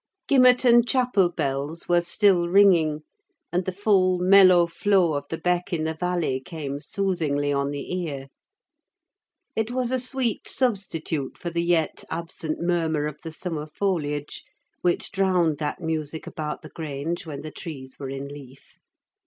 Gimmerton chapel bells were still ringing; and the full, mellow flow of the beck in the valley came soothingly on the ear. It was a sweet substitute for the yet absent murmur of the summer foliage, which drowned that music about the Grange when the trees were in leaf.